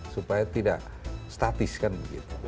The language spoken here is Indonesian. supaya tidak statis kan begitu